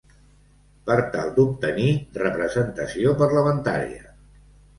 Per tal d'obtenir representació parlamentària.